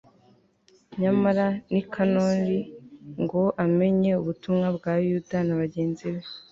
nyamara nikanori ngo amenye ubutwari bwa yuda na bagenzi be